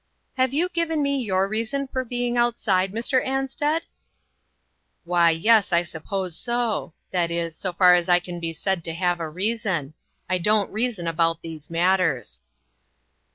" Have you given me your reason for be ing outside, Mr. Ansted?" " Why, yes, I suppose so ; that is, so far as I can be said to have a reason. I don't reason about these matters."